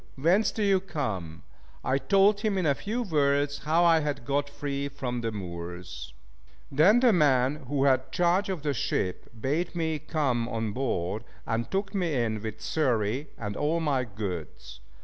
Whence do you come?" I told him in a few words how I had got free from the Moors. Then the man who had charge of the ship bade me come on board, and took me in with Xury and all my goods.